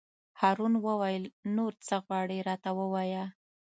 هارون وویل: نور څه غواړې راته ووایه.